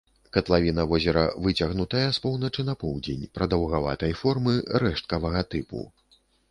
Катлавіна возера выцягнутая з поўначы на поўдзень, прадаўгаватай формы, рэшткавага тыпу.